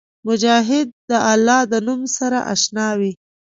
مجاهد د الله د نوم سره اشنا وي.